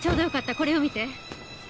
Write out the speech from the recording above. これを見て。